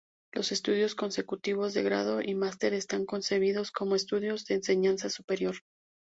Los estudios consecutivos de grado y máster están concebidos como estudios de enseñanza superior.